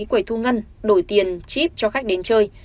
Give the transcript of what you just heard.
quầy thu ngân đổi tiền chip cho khách đến chơi